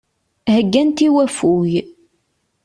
Heggant i waffug.